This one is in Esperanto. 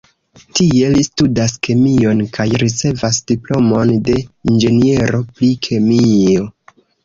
Tie li studas kemion kaj ricevas diplomon de inĝeniero pri kemio.